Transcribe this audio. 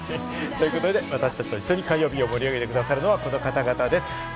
私たちと一緒に火曜日を盛り上げてくださるのはこの方々です。